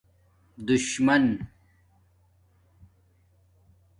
دُشمَن